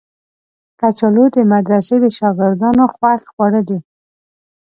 کچالو د مدرسې د شاګردانو خوښ خواړه دي